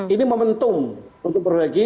ini mementum untuk berbagi